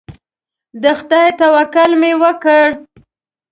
د خدای توکل مې وکړ.